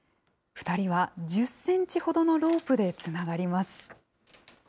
２人は１０センチほどのロープでつながります。